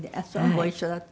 ご一緒だった。